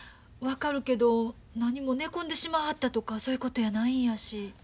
分かるけどなにも寝込んでしまわはったとかそういうことやないんやし。